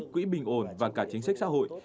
quỹ bình ổn và cả chính sách xã hội